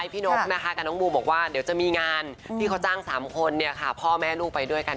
พี่นกบอกว่าเดี๋ยวจะมีงานที่เขาจ้างสามคนพ่อแม่ลูกไปด้วยกัน